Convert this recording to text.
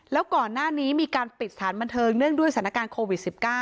แล้วก่อนหน้านี้มีการปิดสถานบันเทิงเนื่องด้วยสถานการณ์โควิด๑๙